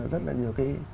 rất là nhiều cái